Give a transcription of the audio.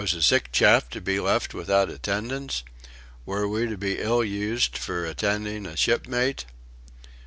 Was a sick chap to be left without attendance? Were we to be ill used for attending a shipmate?